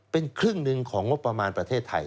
เป็นครึ่งหนึ่งของงบประมาณประเทศไทย